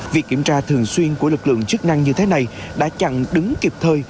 việc kiểm tra thường xuyên của lực lượng chức năng như thế này đã chặn đứng kịp thời